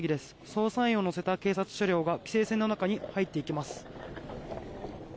捜査員を乗せた警察車両が規制線の中に入っていきます。